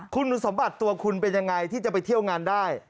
คุณสมบัติตัวคุณเป็นยังไงที่จะไปเที่ยวงานได้